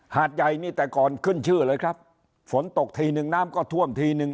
หาดใหญ่นี่แต่ก่อนขึ้นชื่อเลยครับฝนตกทีนึงน้ำก็ท่วมทีนึง